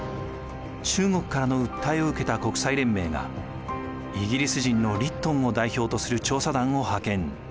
中国からの訴えを受けた国際連盟がイギリス人のリットンを代表とする調査団を派遣。